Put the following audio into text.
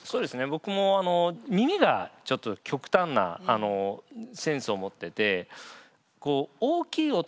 僕も耳がちょっと極端なセンスを持ってて。